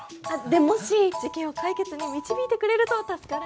でもし事件を解決に導いてくれると助かるんですけど。